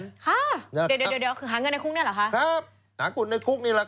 เดี๋ยวหาเงินในคุกนี่หรือคะ